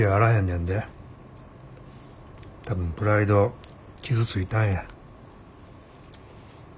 多分プライド傷ついたんや。